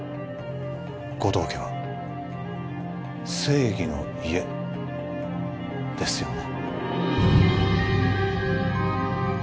護道家は正義の家ですよね？